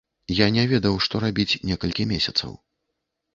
Я не ведаў, што рабіць, некалькі месяцаў.